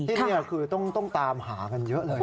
ที่นี่คือต้องตามหากันเยอะเลย